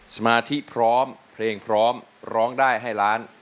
สมาธิพร้อมเพลงพร้อมร้องได้ให้ล้าน